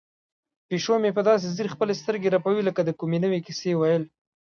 پیشو مې داسې په ځیر خپلې سترګې رپوي لکه د کومې نوې کیسې ویل.